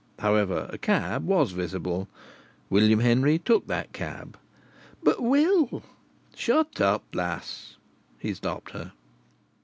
However, a cab was visible. William Henry took that cab. "But, Will " "Shut up, lass!" he stopped her.